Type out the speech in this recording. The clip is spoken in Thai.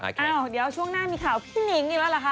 อ้าวเดี๋ยวช่วงหน้ามีข่าวพี่นิงนี่มาหรือคะ